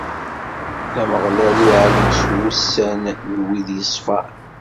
Ameɣlal iɛlem s wussan n wid yeṣfan.